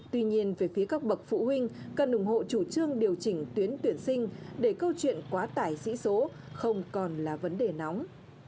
tuy nhiên về phía các bậc phụ huynh cần ủng hộ chủ trương điều chỉnh tuyến tuyển sinh để câu chuyện quá tải sĩ số không còn là vấn đề nóng